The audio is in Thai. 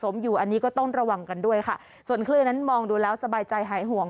อยู่อันนี้ก็ต้องระวังกันด้วยค่ะส่วนคลื่นนั้นมองดูแล้วสบายใจหายห่วง